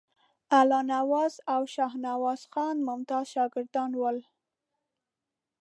الله نواز او شاهنواز خان ممتاز شاګردان ول.